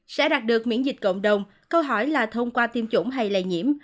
sẽ đạt được miễn dịch cộng đồng câu hỏi là thông qua tiêm chủng hay lây nhiễm